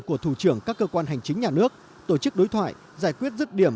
của thủ trưởng các cơ quan hành chính nhà nước tổ chức đối thoại giải quyết rứt điểm